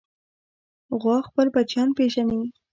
غوا خپل بچیان پېژني.